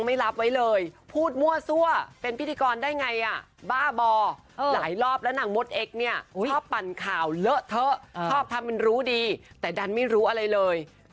ผลิตว่ามันรู้ดีแต่ดันไม่รู้อะไรเลย